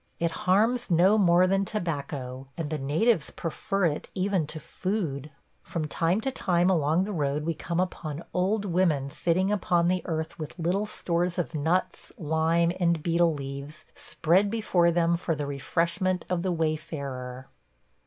It harms no more than tobacco, and the natives prefer it even to food. From time to time along the road we come upon old women sitting upon the earth with little stores of nuts, lime, and betel leaves spread before them for the refreshment of the wayfarer.